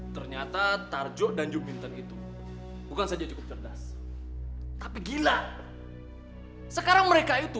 ternyata tarjo dan juminton itu bukan saja cukup cerdas tapi gila sekarang mereka itu